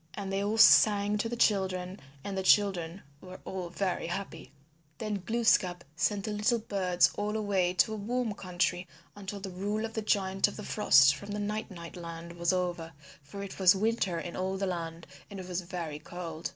And they all sang to the children and the children were all very happy again. Then Glooskap sent the little birds all away to a warm country until the rule of the Giant of the Frost from the Night Night Land was over, for it was winter in all the land and it was very cold.